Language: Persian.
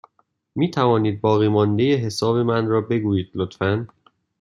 می توانید باقیمانده حساب من را بگویید، لطفا؟